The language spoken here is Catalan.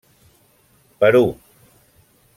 Perú.